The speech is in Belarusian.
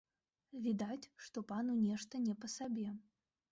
Відаць, што пану нешта не па сабе.